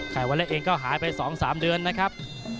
วันเล็กเองก็หายไป๒๓เดือนนะครับ